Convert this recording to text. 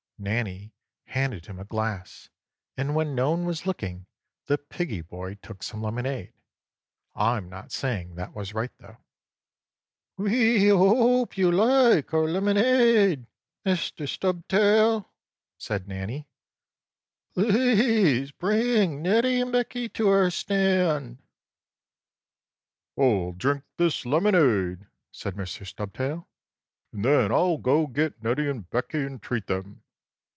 Nannie handed him a glass, and when no one was looking the piggie boy took some lemonade. I'm not saying that was right, though. "We hope you like our lemonade, Mr. Stubtail." said Nannie. "Please bring Neddie and Beckie to our stand." 4. "I'll drink this lemonade." said Mr. Stubtail, "and then I'll go get Neddie and Beckie and treat them."